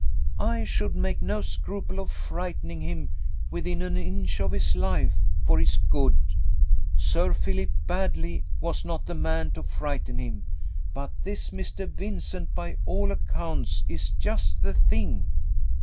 I should make no scruple of frightening him within an inch of his life, for his good. Sir Philip Baddely was not the man to frighten him; but this Mr. Vincent, by all accounts, is just the thing."